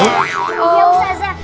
iya ustaz jah